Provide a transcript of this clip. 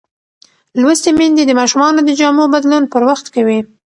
لوستې میندې د ماشومانو د جامو بدلون پر وخت کوي.